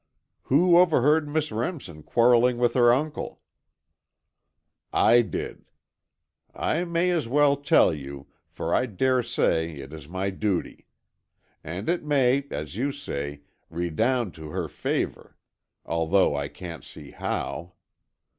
"Who overheard Miss Remsen quarrelling with her uncle?" "I did. I may as well tell you, for I daresay it is my duty. And it may, as you say, redound to her favour, though I can't see how.